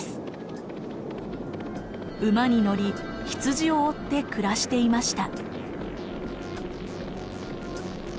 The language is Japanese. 馬に乗り羊を追って暮らしていました。